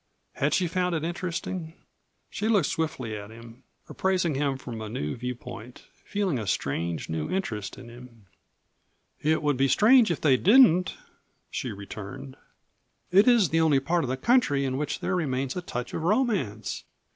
Had she found it interesting? She looked swiftly at him, appraising him from a new viewpoint, feeling a strange, new interest in him. "It would be strange if they didn't," she returned. "Why, it is the only part of the country in which there still remains a touch of romance.